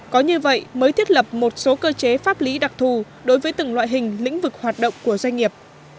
có như vậy mới thiết lập một số cơ chế pháp lý đặc thù đối với từng loại hình lĩnh vực hoạt động của doanh nghiệp